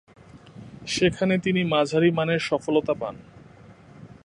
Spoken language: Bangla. সেখানে তিনি মাঝারিমানের সফলতা পান।